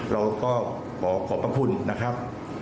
เราก็ขอขอบพระคุณนะครับ